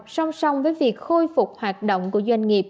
song song với việc khôi phục hoạt động của doanh nghiệp